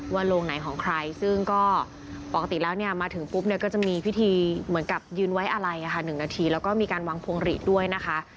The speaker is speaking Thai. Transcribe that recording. โรงไหนของใครซึ่งก็ปกติแล้วเนี่ยมาถึงปุ๊บเนี่ยก็จะมีพิธีเหมือนกับยืนไว้อะไร๑นาทีแล้วก็มีการวางพวงหลีดด้วยนะคะ